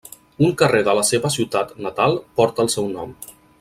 Un carrer de la seva ciutat natal porta el seu nom.